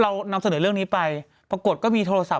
เรานำเสนอเรื่องนี้ไปปรากฏก็มีโทรศัพ